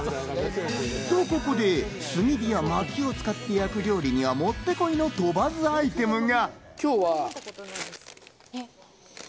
と、ここで炭火や薪を使って焼く料理にはもってこいの鳥羽’ｓアイテムが。